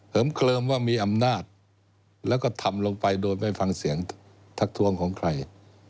เคลิมว่ามีอำนาจแล้วก็ทำลงไปโดยไม่ฟังเสียงทักทวงของใคร